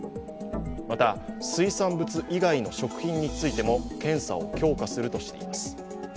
また、水産物以外の食品についても検査を強化するとしています。